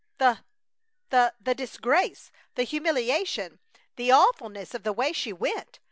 The the the disgrace! The humiliation! The awfulness of the way she went!